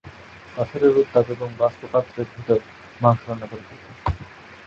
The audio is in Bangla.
পাথরের উত্তাপ এবং বাষ্প পাত্রের ভেতরের মাংস রান্না করে ফেলবে।